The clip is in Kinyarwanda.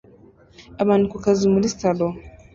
abantu ku kazi muri salo